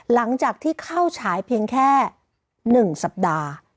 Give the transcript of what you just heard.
หลังจากที่เข้าฉายเพียงแค่๑สัปดาห์